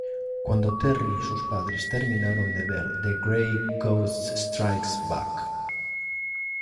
Cuando Terry y sus padres terminaron de ver "The Gray Ghost Strikes Back!